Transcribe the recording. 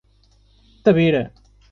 Tabira